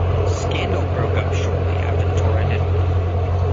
Scandal broke up shortly after the tour ended.